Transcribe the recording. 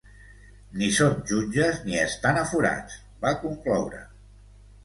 Ni són jutges ni estan aforats, va concloure.